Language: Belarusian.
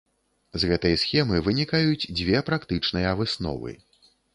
З гэтай схемы вынікаюць дзве практычныя высновы.